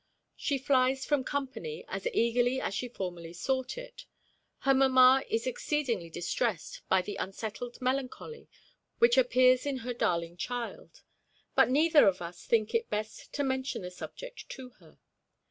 She flies from company as eagerly as she formerly sought it; her mamma is exceedingly distressed by the settled melancholy which appears in her darling child; but neither of us think it best to mention the subject to her.